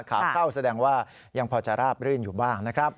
ขาเข้าแสดงว่ายังพอจะราบรื่นอยู่บ้างนะครับ